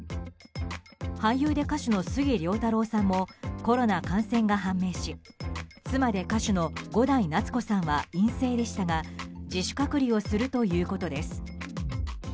俳優で歌手の杉良太郎さんもコロナ感染が判明し妻で歌手の伍代夏子さんは陰性でしたが自主隔離をするということです。